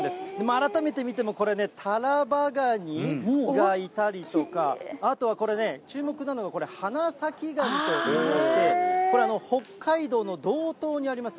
改めて見てもこれね、タラバガニがいたりとか、あとはこれね、注目なのは、これ、花咲がにといいまして、これ、北海道の道東にあります